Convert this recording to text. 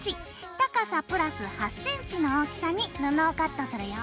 高さプラス８ｃｍの大きさに布をカットするよ。